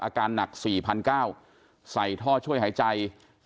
อาการหนัก๔๙๐๐ใส่ท่อช่วยหายใจ